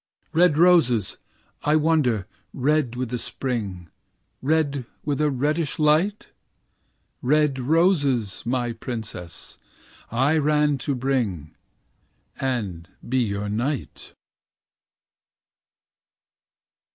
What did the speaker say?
"Red roses, I wonder, red with the Spring, Red with a reddish light?" "Red roses, my princess, I ran to bring. And be your knight."